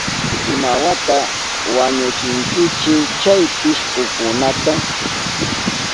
¿Imawata wañuchinkichi chay pishkukunata?